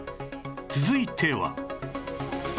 続いては